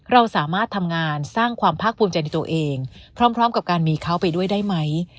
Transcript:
เราสามารถทำงานสร้างความภาคภูมิใจในตัวเองพร้อมกับการมีเขาไปด้วยได้ไหม